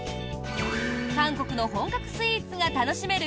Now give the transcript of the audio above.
韓国の本格スイーツが楽しめる